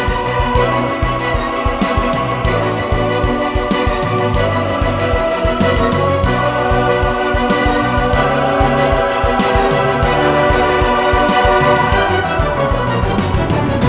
aku akan tetap mencintai dia